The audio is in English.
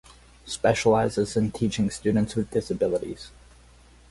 Specializes in teaching students with disabilities.